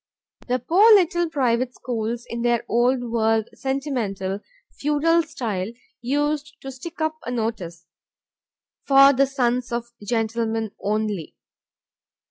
The poor little private schools, in their old world, sentimental, feudal style, used to stick up a notice, "For the Sons of Gentlemen only."